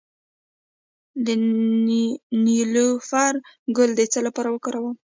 د نیلوفر ګل د څه لپاره وکاروم؟